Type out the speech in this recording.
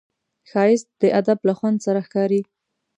ښایست د ادب له خوند سره ښکاري